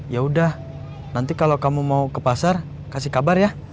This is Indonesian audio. ya udah nanti kalau kamu mau ke pasar kasih kabar ya